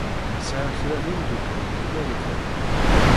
Sɛiɣ kra n yimeddukal deg Marikan.